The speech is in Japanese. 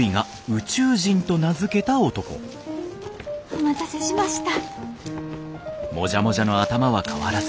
お待たせしました。